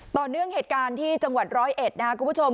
เหตุการณ์ที่จังหวัดร้อยเอ็ดนะครับคุณผู้ชม